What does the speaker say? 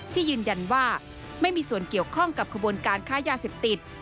ยืนยันว่าไม่มีส่วนเกี่ยวข้องกับขบวนการค้ายาเสพติด